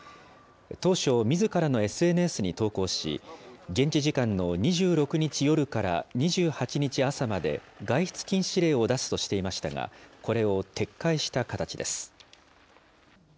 当初、みずからのＳＮＳに投稿し、現地時間の２６日夜から２８日朝まで、外出禁止令を出すとしていましたが、これを撤回した形です。